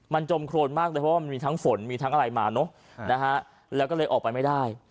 มันจมโครนมากเลยเพราะว่ามันมีทั้งฝนมีทั้งอะไรมาเนอะนะฮะแล้วก็เลยออกไปไม่ได้